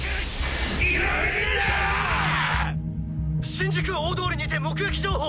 新宿大通りにて目撃情報！